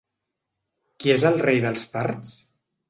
Qui és el rei dels parts?